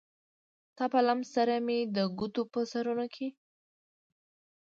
ستا په لمس سره مې د ګوتو په سرونو کې